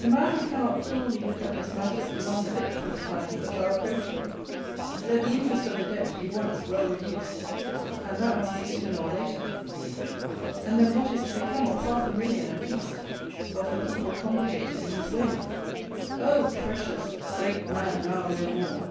The man who cannot coolly look at this matter is unfit for the times that are approaching. Let the interest of the Debt be once well reduced (and that must be sooner or later) and then what is to become of half a million at least of the people congregated in this Wen? Oh! precious "Great Man now no more!"